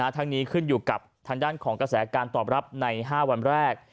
ทั้งนี้ขึ้นอยู่กับทางด้านของกระแสการตอบรับใน๕วันแรก